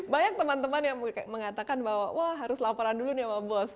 banyak teman teman yang mengatakan bahwa wah harus laporan dulu nih sama bos